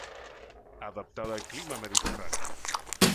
Adaptada al clima mediterráneo.